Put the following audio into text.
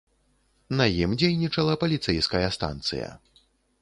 На ім дзейнічала паліцэйская станцыя.